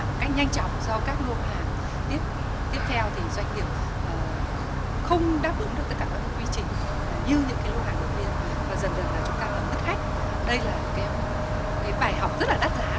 một cách nhanh chóng do các lô hàng tiếp theo thì doanh nghiệp